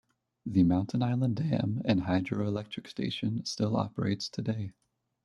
The Mountain Island Dam and Hydroelectric Station still operates today.